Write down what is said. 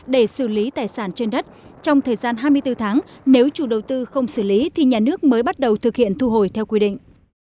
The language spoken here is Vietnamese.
để xử lý tài sản trên đất trong thời gian hai mươi bốn tháng nếu chủ đầu tư không xử lý thì nhà nước mới bắt đầu thực hiện thu hồi theo quy định